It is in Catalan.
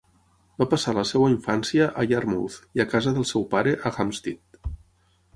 Va passar la seva infància a Yarmouth i a casa del seu pare a Hampstead.